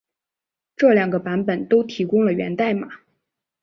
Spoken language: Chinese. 这两个版本都提供了源代码。